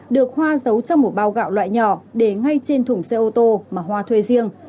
được hoa giấu trong một bao gạo loại nhỏ để ngay trên thùng xe ô tô mà hoa thuê riêng